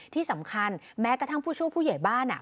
ที่สำคัญแม้กระทั่งผู้ช่วยผู้ใหญ่บ้าน